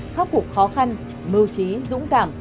khắc phục khó khăn mưu trí dũng cảm